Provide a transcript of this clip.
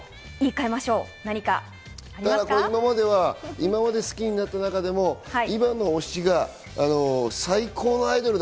今まで好きになった中でも今の推しが最高のアイドルだ。